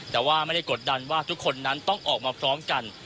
แต่ว่าไม่ได้กดดันว่าทุกคนนั้นต้องออกมาพร้อมกัน